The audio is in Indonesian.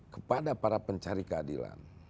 kepada para pencari keadilan